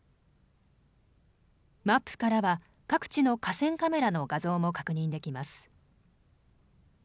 マップからは各地の河川カメラの画像も確認できます。